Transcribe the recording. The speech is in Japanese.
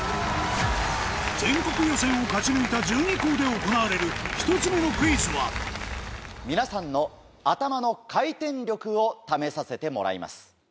全国予選を勝ち抜いた１２校で行われる１つ目のクイズは皆さんの頭の回転力を試させてもらいます。